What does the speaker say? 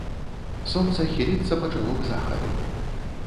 Сонца хіліцца пачало к захаду.